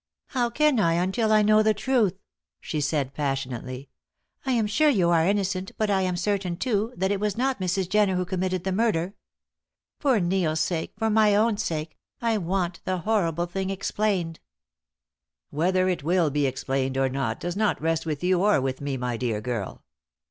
"How can I until I know the truth?" she said, passionately. "I am sure you are innocent, but I am certain, too, that it was not Mrs. Jenner who committed the murder. For Neil's sake, for my own sake, I want the horrible thing explained." "Whether it will be explained or not does not rest with you or with me, my dear girl.